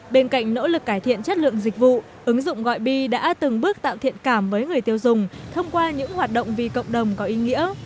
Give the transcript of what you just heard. bên cạnh nỗ lực cải thiện chất lượng dịch vụ ứng dụng gọi bi đã từng bước tạo thiện cảm với người tiêu dùng thông qua những hoạt động vì cộng đồng có ý nghĩa